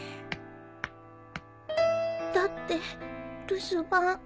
だって留守番